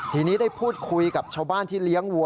ทีนี้ได้พูดคุยกับชาวบ้านที่เลี้ยงวัว